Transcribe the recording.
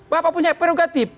bapak punya prerogatif